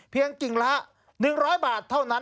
กิ่งละ๑๐๐บาทเท่านั้น